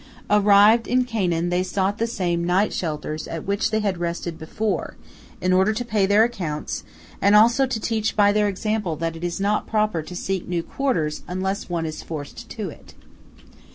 Arrived in Canaan they sought the same night shelters at which they had rested before, in order to pay their accounts, and also to teach by their example that it is not proper to seek new quarters unless one is forced to it.